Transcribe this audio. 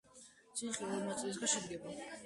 ციხე ორი ნაწილისაგან შედგება.